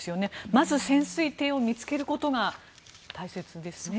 まず潜水艇を見つけることが大切ですね。